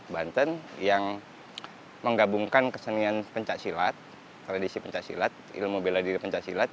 banten yang menggabungkan kesenian pencak silat tradisi pencak silat ilmu bela diri pencak silat